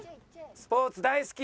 「スポーツ大好き！